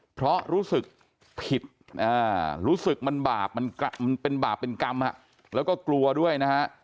เพราะรู้สึกผิดรู้สึกมันบาปมันเป็นบาปเป็นกรรมแล้วก็กลัวด้วยนะฮะ